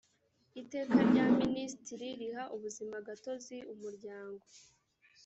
iteka rya minisitiri riha ubuzimagatozi umuryango